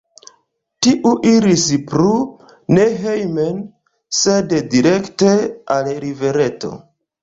Tiu iris plu, ne hejmen, sed direkte al rivereto.